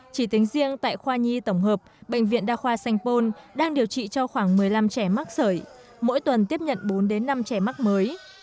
chỉ tính riêng tại khoa nhi tổng hợp bệnh viện đa khoa sanh pôn đang điều trị cho khoảng một mươi năm trẻ mắc sởi mỗi tuần tiếp nhận bốn đến năm trẻ mắc mới